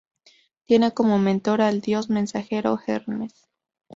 Tiene como mentor al dios mensajero Hermes